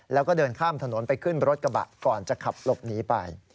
แล้วก็เดินข้ามถนนไปขึ้นรถกระบะก่อนจะขับหลบหนีไป